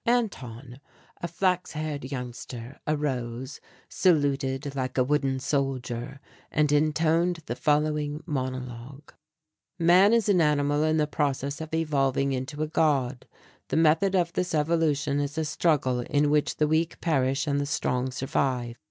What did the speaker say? Anton, a flaxen haired youngster, arose, saluted like a wooden soldier, and intoned the following monologue: "Man is an animal in the process of evolving into a god. The method of this evolution is a struggle in which the weak perish and the strong survive.